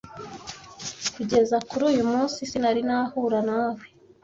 kugeza kuri uyu munsi sinari nahura nawe